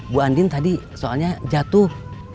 bu andin tadi soalnya jatuh